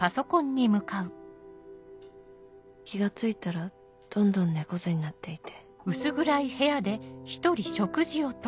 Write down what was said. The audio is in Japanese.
気が付いたらどんどん猫背になっていて。